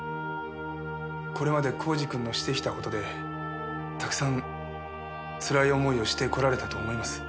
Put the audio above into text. これまで耕治君のしてきた事でたくさんつらい思いをしてこられたと思います。